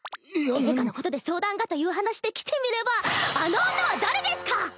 映画のことで相談がという話で来てみればあの女は誰ですか⁉